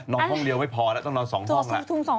นอนห้องเรียวไม่พอต้องนอน๒ห้องล่ะ